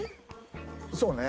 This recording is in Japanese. そうね。